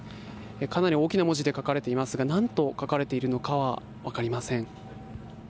かなり大きな文字で書かれていますが何と書かれているのかは分かりません。